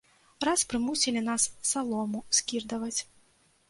Раз прымусілі нас салому скірдаваць.